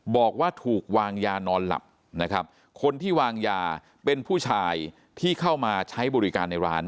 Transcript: บอกว่าถูกวางยานอนหลับนะครับคนที่วางยาเป็นผู้ชายที่เข้ามาใช้บริการในร้าน